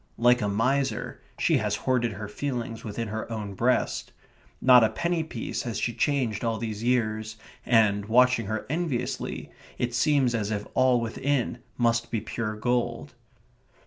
Like a miser, she has hoarded her feelings within her own breast. Not a penny piece has she changed all these years, and, watching her enviously, it seems as if all within must be pure gold.